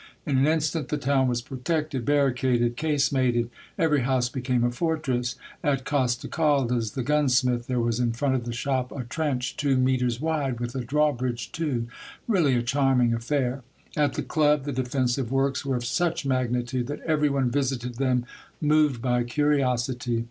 In an instant the town was protected, barricaded, casemated. Every house became a fortress. At Costecalde's, the gunsmith, there was in front of the shop, a trench two metres 74 Monday Tales, wide, with a drawbridge too, — really a charming affair ! At the Club the defensive works were of such magnitude that every one visited them, moved by curiosity.